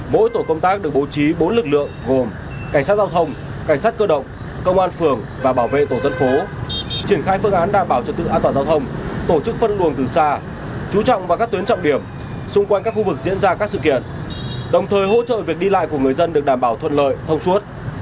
mỗi tổ công tác được bố trí bốn lực lượng gồm cảnh sát giao thông cảnh sát cơ động công an phường và bảo vệ tổ dân phố triển khai phương án đảm bảo trật tự an toàn giao thông tổ chức phân luồng từ xa chú trọng vào các tuyến trọng điểm xung quanh các khu vực diễn ra các sự kiện đồng thời hỗ trợ việc đi lại của người dân được đảm bảo thuận lợi thông suốt